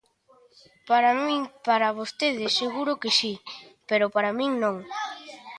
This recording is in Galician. Para min, para vostede seguro que si, pero para min non.